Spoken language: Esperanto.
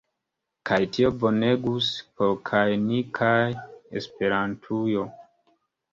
Kaj tio bonegus por kaj ni kaj Esperantujo.